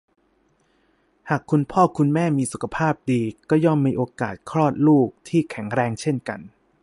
หากคุณพ่อคุณแม่มีสุขภาพดี ก็ย่อมมีโอกาสคลอดลูกที่แข็งแรงเช่นกัน